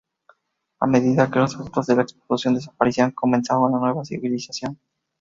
A medida que los efectos de la explosión desaparecían, comenzaba una nueva civilización.